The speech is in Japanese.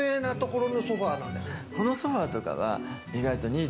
このソファとかは意外とニー